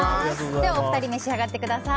ではお二人召し上がってください。